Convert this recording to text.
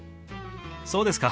そうですか？